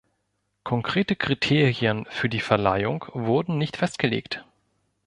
Konkrete Kriterien für die Verleihung wurden nicht festgelegt.